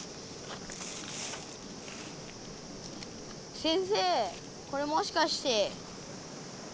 先生これもしかして？